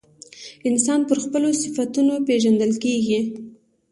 انسان پر خپلو صفتونو پیژندل کیږي.